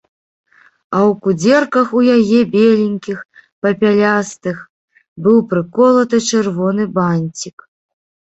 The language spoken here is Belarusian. А ў кудзерках у яе, беленькіх, папялястых, быў прыколаты чырвоны банцік.